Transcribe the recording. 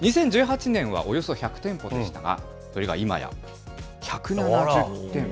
２０１８年は、およそ１００店舗でしたが、それが今や１７０店舗。